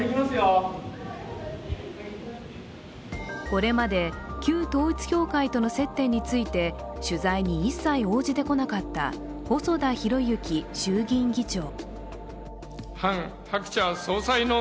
これまで旧統一教会との接点について取材に一切応じてこなかった細田博之衆議院議長。